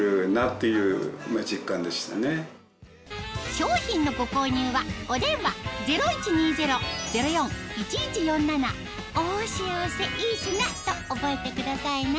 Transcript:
商品のご購入はお電話０１２０−０４−１１４７と覚えてくださいね